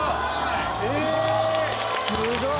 え⁉すごい！